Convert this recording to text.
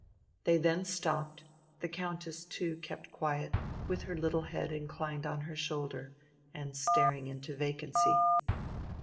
They then stopped, the Countess too kept quiet, with her little head inclined on her shoulder, and staring into vacancy.